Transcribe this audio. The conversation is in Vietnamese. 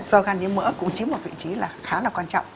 do gan nhiễm mỡ cũng chiếm một vị trí là khá là quan trọng